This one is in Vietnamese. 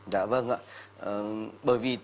dạ vâng ạ bởi vì